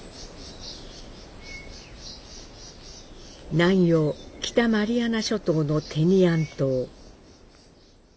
南洋北マリアナ諸島のテニアン島。